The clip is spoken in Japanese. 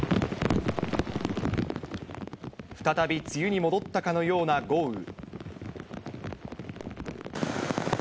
再び梅雨に戻ったかのような豪雨。